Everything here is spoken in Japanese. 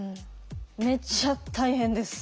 めちゃ大変です。